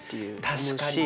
確かにね。